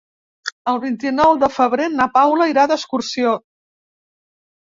El vint-i-nou de febrer na Paula irà d'excursió.